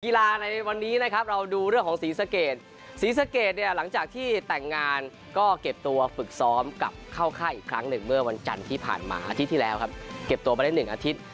ในวันนี้นะครับเราดูเรื่องของศรีสะเกดศรีสะเกดเนี่ยหลังจากที่แต่งงานก็เก็บตัวฝึกซ้อมกลับเข้าค่ายอีกครั้งหนึ่งเมื่อวันจันทร์ที่ผ่านมาอาทิตย์ที่แล้วครับเก็บตัวไปได้๑อาทิตย์